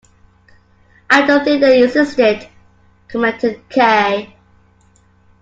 "I don't think they existed," commented Kay.